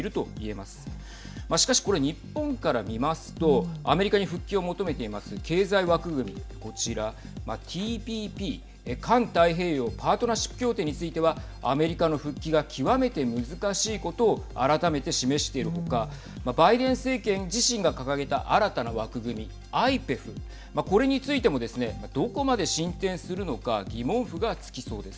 まあしかしこれ日本から見ますとアメリカに復帰を求めています経済枠組みこちらＴＰＰ＝環太平洋パートナーシップ協定についてはアメリカの復帰が極めて難しいことを改めて示している他バイデン政権自身が掲げた新たな枠組みＩＰＥＦ、これについてもですねどこまで進展するのか疑問符が付きそうです。